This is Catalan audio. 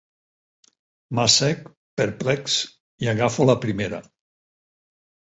M'assec, perplex, i agafo la primera.